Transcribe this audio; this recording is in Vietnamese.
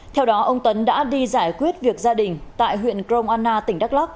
theo đó ông tấn đã đi giải quyết việc gia đình tại huyện krong anna tỉnh đắk lắc